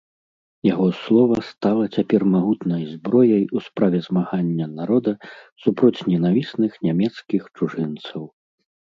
Яго слова стала цяпер магутнай зброяй у справе змагання народа супроць ненавісных нямецкіх чужынцаў.